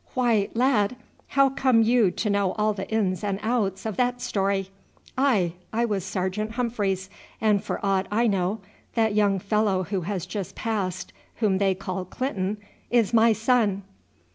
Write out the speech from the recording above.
"Why, lad, how come you to know all the ins and outs of that story? Ay, I was Sergeant Humphreys, and for aught I know that young fellow who has just passed, whom they call Clinton, is my son."